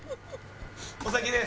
お先です。